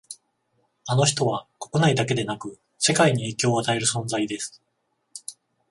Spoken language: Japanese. あの人は国内だけでなく世界に影響を与える存在です